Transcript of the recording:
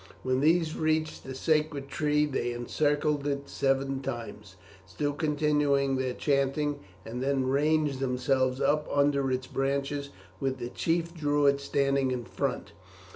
When these reached the sacred tree they encircled it seven times, still continuing their chanting, and then ranged themselves up under its branches with the chief Druid standing in front.